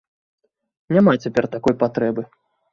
Няма цяпер такой патрэбы.